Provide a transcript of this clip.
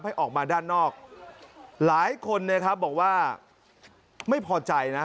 ให้ออกมาด้านนอกหลายคนเนี่ยครับบอกว่าไม่พอใจนะ